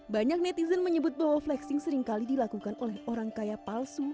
banyak netizen menyebut bahwa flexing seringkali dilakukan oleh orang kaya palsu